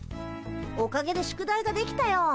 おかげで宿題が出来たよ。